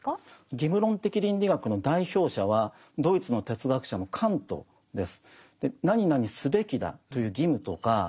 義務論的倫理学の代表者はドイツの哲学者のカントです。